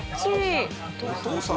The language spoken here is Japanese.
お父さん！